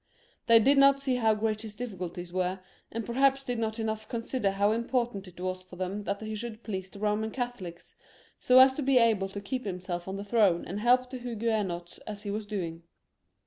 They did not see how great his difficulties were, and perhaps did not enough consider how important it was for them that he should please the Soman Catholics, so as to be able tokeep himself on the throne and help the Huguenots as he was doing.